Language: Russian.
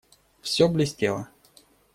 Всё блестело.